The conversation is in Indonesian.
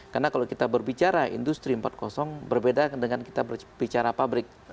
karena kalau kita berbicara industri empat berbeda dengan kita berbicara pabrik